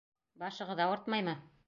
Башығыҙ ауыртмаймы?